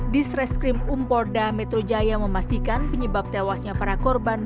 disreskrim umpolda metro jaya memastikan penyebab tewasnya para korban